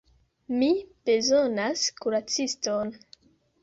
Mi bezonas kuraciston.